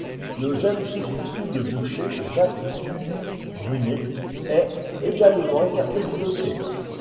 Le jeune substitut de Boucher, Jacques Sully Brunet, est également écarté du dossier.